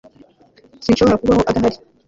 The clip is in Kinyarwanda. Sinshobora kubaho adahari